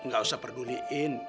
gak usah perguliin